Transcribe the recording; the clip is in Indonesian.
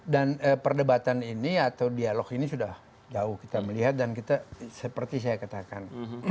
dan perdebatan ini atau dialog ini sudah jauh kita melihat dan kita seperti saya katakan